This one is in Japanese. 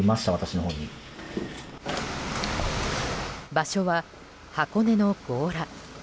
場所は箱根の強羅。